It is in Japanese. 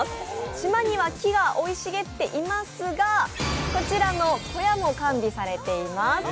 島には木が生い茂っていますが、こちらの小屋も管理されています。